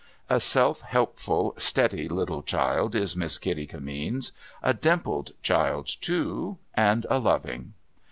A self helpful, steady little child is Miss Kitty Kimmeens : a dimpled child too, and a loving.